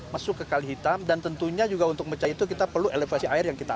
masuk ke kalihitam dan tentunya juga untuk pecah itu kita perlu elevasi air yang kita atur